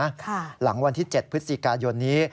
รักษาชาติแล้วนะหลังวันที่๗พฤศจิกายนนี้